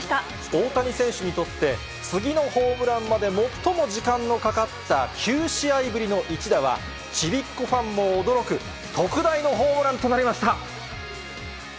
大谷選手にとって、次のホームランまで最も時間のかかった９試合ぶりの一打は、ちびっ子ファンも驚く特大のホームランとなりました。